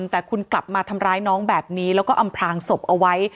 แต่คุณกลับมาทำร้ายน้องแบบนี้แล้วก็อำพลางศพเอาไว้